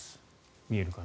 見えるかな？